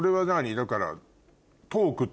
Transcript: だから。